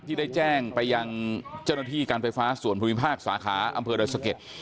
ที่ได้แจ้งไปยังเจ้าหน้าที่การไฟฟ้าส่วนภูมิภาคสาขาอำเภอดอยสะเก็ด